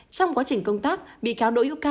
trong quá trình công tác bị cáo đỗ hữu ca